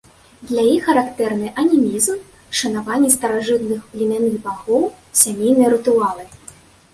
Для іх характэрны анімізм, шанаванне старажытных племянных багоў, сямейныя рытуалы.